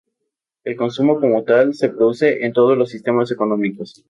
El consumo como tal se produce en todos los sistemas económicos.